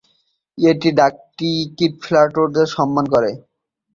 একটা ডাকটিকিট ফ্ল্যাটোদের সম্মান করে।